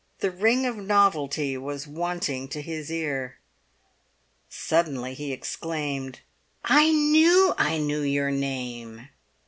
The ring of novelty was wanting to his ear. Suddenly he exclaimed, "I knew I knew your name!"